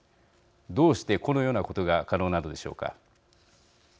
どうしてこのようなことが可能なのでしょうか。